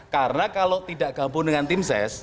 karena kalau tidak gabung dengan tim ses